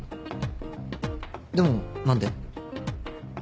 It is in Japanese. でも何で？